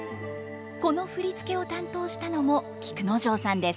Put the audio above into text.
この振り付けを担当したのも菊之丞さんです。